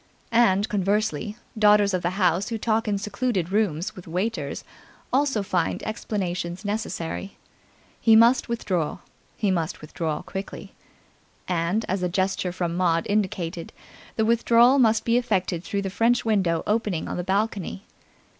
And, conversely, daughters of the house who talk in secluded rooms with waiters also find explanations necessary. He must withdraw. He must withdraw quickly. And, as a gesture from Maud indicated, the withdrawal must be effected through the french window opening on the balcony.